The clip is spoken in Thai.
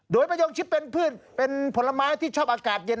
โดยมะยงชิปเป็นพืชเป็นผลไม้ที่ชอบอากาศเย็น